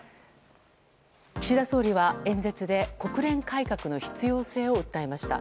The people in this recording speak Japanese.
岸田総理は演説で国連改革の必要性を訴えました。